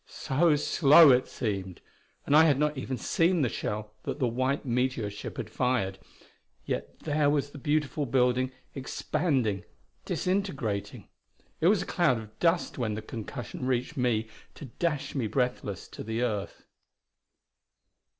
So slow it seemed! and I had not even seen the shell that the white meteor ship had fired. Yet there was the beautiful building, expanding, disintegrating. It was a cloud of dust when the concussion reached me to dash me breathless to the earth....